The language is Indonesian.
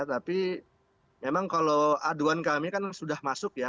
tapi memang kalau aduan kami kan sudah masuk ya